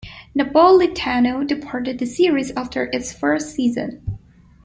Napolitano departed the series after its first season.